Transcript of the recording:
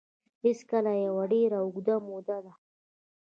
هېڅکله یوه ډېره اوږده موده ده